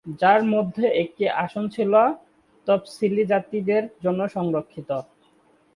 যার মধ্যে একটি আসন ছিল তফসিলি জাতিদের জন্য সংরক্ষিত।